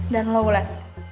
dan lu wulan